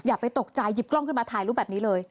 อย่าไปตกใจหยิบกล้องขึ้นมาถ่ายรูปแบบนี้เลย